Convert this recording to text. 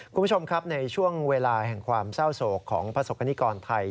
คุณผู้ชมครับในช่วงเวลาแห่งความเศร้าโศกของประสบกรณิกรไทย